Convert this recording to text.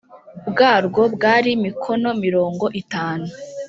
bwarwo bwari mikono mirongo itanu